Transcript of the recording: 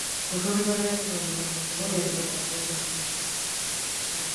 এলাকাবাসী বলছেন, পুনর্বাসন প্রকল্পের জায়গায় হাট বসালে কয়েক হাজার বাসিন্দার ভোগান্তি হবে।